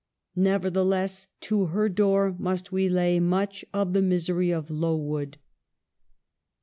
Nevertheless to her door must we lay much of the misery of " Lowood."